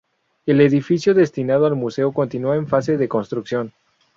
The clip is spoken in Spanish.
El edificio destinado al museo continúa en fase de construcción.